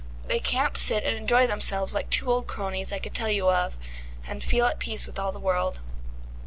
They can't sit and enjoy themselves like two old cronies I could tell you of, and feel at peace with all the world."